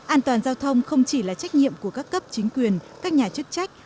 an toàn giao thông không chỉ là trách nhiệm của các cấp chính quyền các nhà chức trách